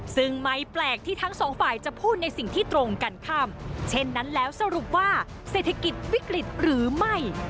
ซึ่งไม่แปลกที่ทั้งสองฝ่ายจะพูดในสิ่งที่ตรงกันข้ามเช่นนั้นแล้วสรุปว่าเศรษฐกิจวิกฤตหรือไม่